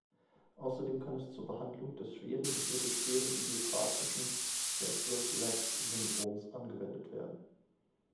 Außerdem kann es zur Behandlung des schweren bis mittelschweren idiopathischen Restless-Legs-Syndroms angewendet werden.